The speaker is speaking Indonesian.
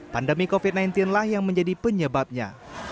pandemi covid sembilan belas lah yang menjadi penyebabnya